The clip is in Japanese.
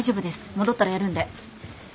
戻ったらやるんで。